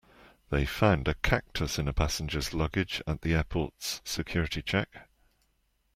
They found a cactus in a passenger's luggage at the airport's security check.